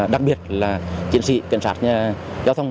đặc biệt là chiến sĩ kiểm soát giao thông